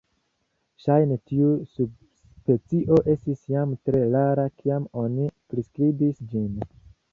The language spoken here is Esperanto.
Ŝajne tiu subspecio estis jam tre rara kiam oni priskribis ĝin.